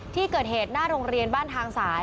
ที่เกิดเหตุหน้าโรงเรียนบ้านทางสาย